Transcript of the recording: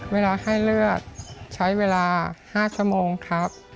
เวลาให้เลือดใช้เวลา๕ชั่วโมงครับ